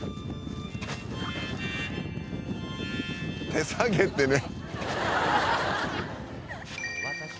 「手提げってね」